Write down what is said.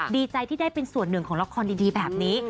ดีใจที่ได้เป็นส่วนหนึ่งของละครดีแบบนี้